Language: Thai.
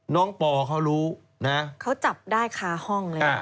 ปอเขารู้นะเขาจับได้คาห้องเลย